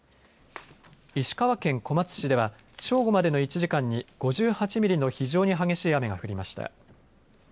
石川県小松市では正午までの１時間に５８ミリの非常に激しい雨が降りました。